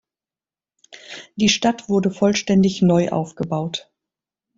Die Stadt wurde vollständig neu aufgebaut.